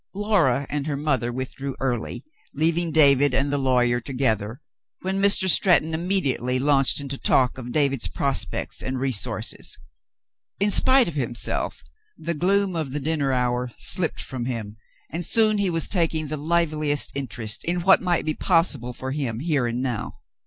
Laura and her mother withdrew early, leaving David and the lawyer together, when Mr. Stretton immediately launched into talk of David's prospects and resources. In spite of himself, the gloom of the dinner hour slipped from him, and soon he was taking the liveliest interest in what might be possible for him here and now.